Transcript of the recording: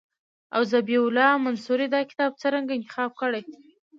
او ذبیح الله منصوري دا کتاب څرنګه انتخاب کړی.